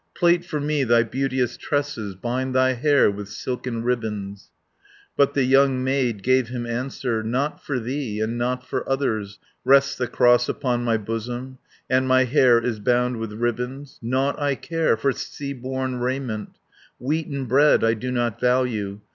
Plait for me thy beauteous tresses, Bind thy hair with silken ribands." 20 But the young maid gave him answer, "Not for thee, and not for others, Rests the cross upon my bosom, And my hair is bound with ribands. Nought I care for sea borne raiment; Wheaten bread I do not value.